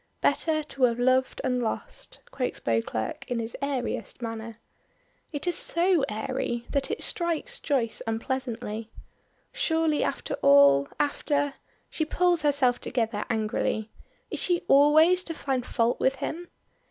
"Better to have loved and lost," quotes Beauclerk in his airiest manner. It is so airy that it strikes Joyce unpleasantly. Surely after all after She pulls herself together angrily. Is she always to find fault with him?